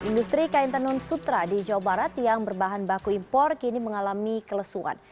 industri kain tenun sutra di jawa barat yang berbahan baku impor kini mengalami kelesuan